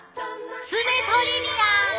爪トリビア！